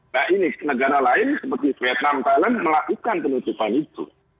nah ini negara lain seperti vietnam thailand melakukan penutupan itu